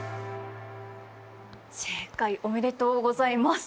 おめでとうございます。